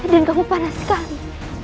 dan kamu panas sekali